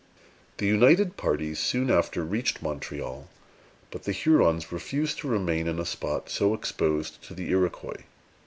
The united parties soon after reached Montreal; but the Hurons refused to remain in a spot so exposed to the Iroquois.